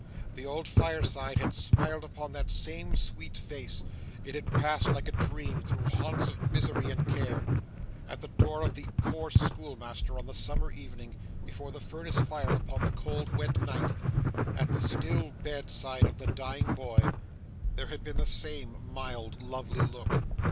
The old fireside had smiled upon that same sweet face; it had passed, like a dream, through haunts of misery and care; at the door of the poor schoolmaster on the summer evening, before the furnace fire upon the cold wet night, at the still bedside of the dying boy, there had been the same mild lovely look.